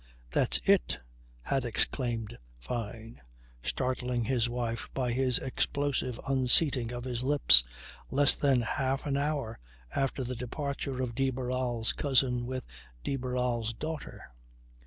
"That's it," had exclaimed Fyne, startling his wife by this explosive unseating of his lips less than half an hour after the departure of de Barral's cousin with de Barral's daughter.